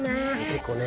結構ね。